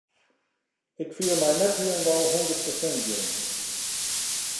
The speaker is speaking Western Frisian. Ik fiel my net hielendal hûndert persint jûn.